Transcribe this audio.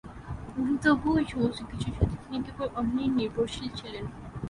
এবং তবুও, এই সমস্ত কিছুর সাথে তিনি কেবল অন্যের নির্ভরশীল ছিলেন।